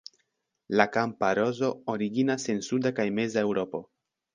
La kampa rozo originas en suda kaj meza Eŭropo.